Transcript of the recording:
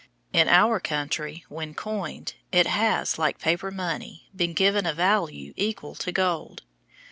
In our country when coined it has, like paper money, been given a value equal to gold.